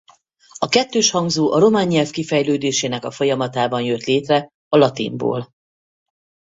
A kettőshangzó a román nyelv kifejlődésének a folyamatában jött létre a latinból.